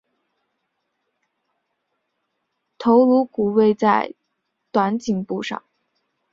头颅骨位在短颈部上。